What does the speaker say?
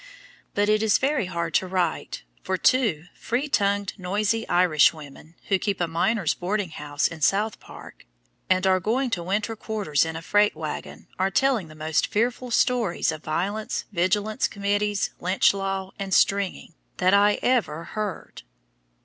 But it is very hard to write, for two free tongued, noisy Irish women, who keep a miners' boarding house in South Park, and are going to winter quarters in a freight wagon, are telling the most fearful stories of violence, vigilance committees, Lynch law, and "stringing," that I ever heard.